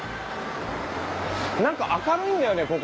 なんか明るいんだよね